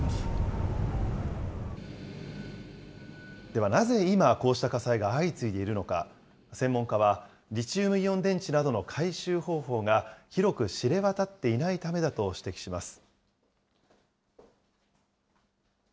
では、なぜ今、こうした火災が相次いでいるのか、専門家は、リチウムイオン電池などの回収方法が広く知れ渡っていないためだと指摘します。